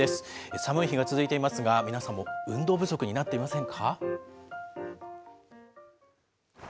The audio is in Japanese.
寒い日が続いていますが、皆さんも運動不足になっていませんか？